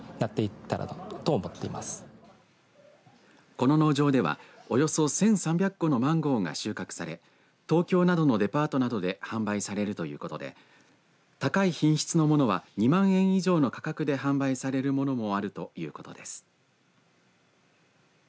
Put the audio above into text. この農場ではおよそ１３００個のマンゴーが収穫され東京などのデパートなどで販売されるということで高い品質のものは２万円以上の価格で販売されるものもあるということです。